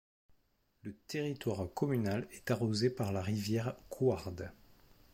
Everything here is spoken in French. Le territoire communal est arrosé par la rivière Couarde.